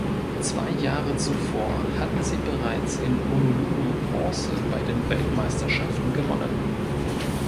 Zwei Jahre zuvor hatten sie bereits in Honolulu Bronze bei den Weltmeisterschaften gewonnen.